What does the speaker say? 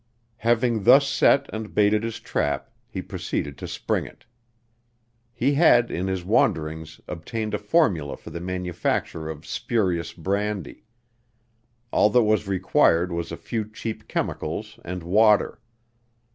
Having thus set and baited his trap, he proceeded to spring it. He had, in his wanderings, obtained a formula for the manufacture of spurious brandy. All that was required was a few cheap chemicals and water.